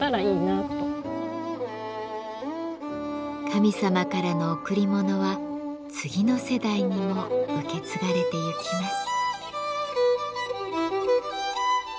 「神様からの贈り物」は次の世代にも受け継がれてゆきます。